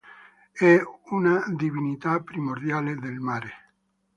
È una divinità primordiale del mare.